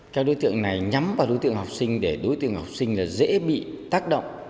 các đối tượng này nhắm vào đối tượng học sinh để đối tượng học sinh dễ bị tác động